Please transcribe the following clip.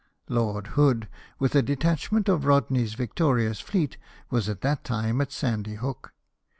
Lord Hood, Avith a detachment of Rodney's victorious fleet, was at that time at Sandy Hook.